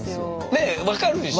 ねえ分かるでしょ。